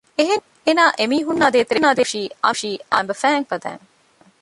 އެހެނީ އޭނާ އެމީހުންނާ ދޭތެރޭ ދުށީ އަމިއްލަ މައިންބަފައިން ފަދައިން